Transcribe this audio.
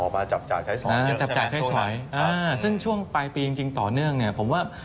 มาจับจ่ายใช้สอยจับจ่ายใช้สอยอ่าซึ่งช่วงปลายปีจริงจริงต่อเนื่องเนี่ยผมว่า